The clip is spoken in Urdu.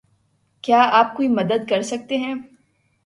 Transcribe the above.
کیا آپ کوئی مدد کر سکتے ہیں؟